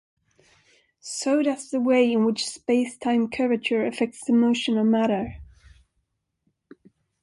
So does the way in which spacetime curvature affects the motion of matter.